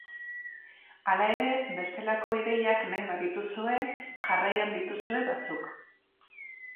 Hala ere, bestelako ideiak nahi badituzue, jarraian dituzue batzuk.